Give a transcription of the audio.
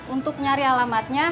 untuk nyari alamatnya